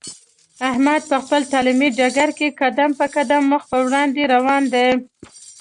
احمد په خپل تعلیمي ډګر کې قدم په قدم مخ په وړاندې روان دی.